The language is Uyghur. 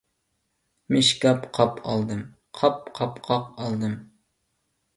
مىشكاپ _ قاپ ئالدىم، قاپ_ قاپقاق ئالدىم.